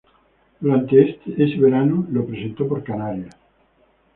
Durante ese verano lo presentó por Canarias.